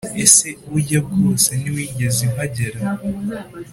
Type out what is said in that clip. Ese burya bwose ntiwigeze uhagera